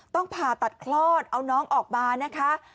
ผ่าตัดคลอดเอาน้องออกมานะคะ